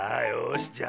よし。